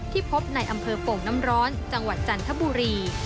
พบในอำเภอโป่งน้ำร้อนจังหวัดจันทบุรี